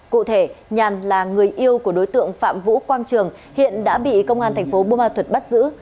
cụ thể nhàn là người yêu của đối tượng phạm vũ quang trường hiện đã bị công an thành phố bùa ma thuật bắt giữ